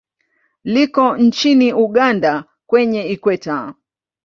Liko nchini Uganda kwenye Ikweta.